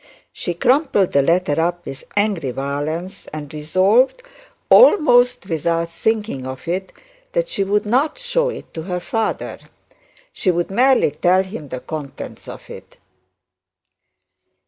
She crumpled the letter with angry violence, and resolved, almost without thinking of it, that she would not show it to her father. She would merely tell him the contents of it.